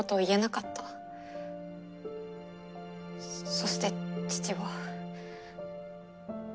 そして父は。